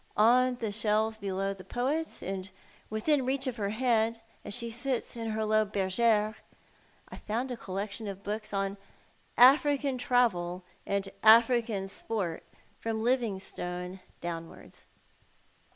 On the shelves bulow the poets, and within reach of lier hand as she sits in her low beryere, I found a collection of books upon African travel and African sport, from Livingstone downwards.